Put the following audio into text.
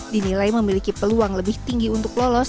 dinilai memiliki peluang lebih tinggi untuk lolos